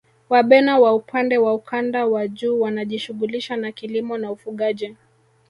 Wabena wa upande wa ukanda wa juu wanajishughulisha na kilimo na ufugaji